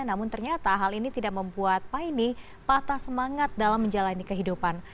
namun ternyata hal ini tidak membuat paine patah semangat dalam menjalani kehidupan